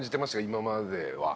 今までは。